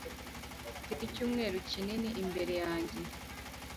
Mfite icyumweru kinini imbere yanjye